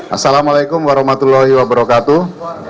assalamu'alaikum warahmatullahi wabarakatuh